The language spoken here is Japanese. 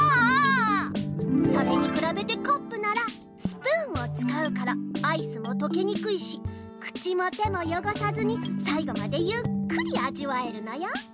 それにくらべてカップならスプーンをつかうからアイスもとけにくいし口も手もよごさずにさい後までゆっくりあじわえるのよ。